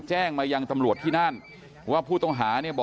กลุ่มตัวเชียงใหม่